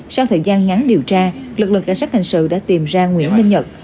sau thời gian ngắn điều tra lực lượng cảnh sát hình sự đã tìm ra nguyễn minh nhật